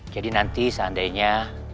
jadi nanti seandainya